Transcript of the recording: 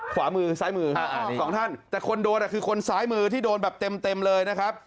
ขวามือซ้ายมือสองท่านแต่คนโดนคือคนซ้ายมือที่โดนแบบเต็มเลยนะครับ